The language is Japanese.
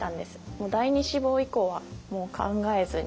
もう第２志望以降は考えずに。